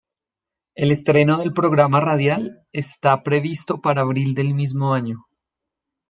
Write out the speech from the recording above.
El estreno del programa radial está previsto para abril del mismo año.